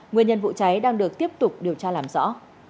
nguyên nhân vụ cháy đang được tiếp tục điều tra làm rõ